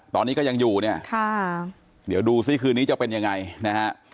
ตอนนี้ก็ยังอยู่เนี่ยค่ะเดี๋ยวดูซิคืนนี้จะเป็นยังไงนะฮะ